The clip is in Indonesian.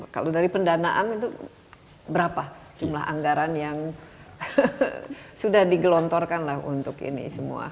kalau dari pendanaan itu berapa jumlah anggaran yang sudah digelontorkan lah untuk ini semua